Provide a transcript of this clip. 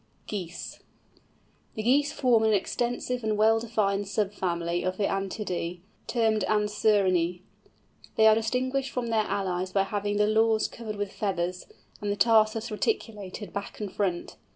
GEESE. The Geese form an extensive and well defined sub family of the Anatidæ termed Anserinæ. They are distinguished from their allies by having the lores covered with feathers, and the tarsus reticulated back and front.